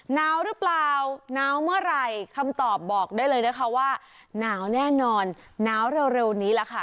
หนาวหรือเปล่าหนาวเมื่อไหร่คำตอบบอกได้เลยนะคะว่าหนาวแน่นอนหนาวเร็วนี้แหละค่ะ